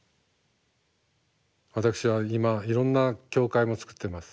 私は今いろんな教会も作ってます。